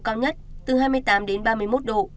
cao nhất từ hai mươi tám đến ba mươi một độ